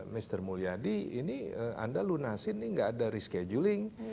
mr mulyadi ini anda lunasin nih gak ada rescheduling